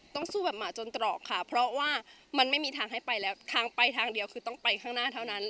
สู้แบบหมาจนตรอกค่ะเพราะว่ามันไม่มีทางให้ไปแล้วทางไปทางเดียวคือต้องไปข้างหน้าเท่านั้น